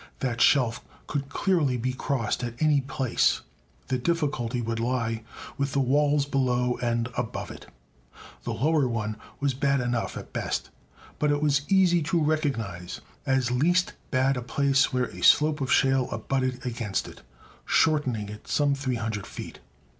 That shelf could clearly be crossed at any place; the difficulty would lie with the walls below and above it. The lower one was bad enough at best, but it was easy to recognize as least bad a place where a slope of shale abutted against it, shortening it some 300 feet.